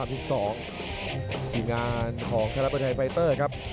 กิจงานของแทรย์รับมวยไทยไฟเตอร์ครับ